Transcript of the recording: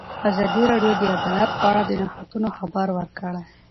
ازادي راډیو د عدالت په اړه د نوښتونو خبر ورکړی.